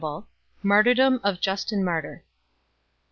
Martyrdom of Justin Martyr.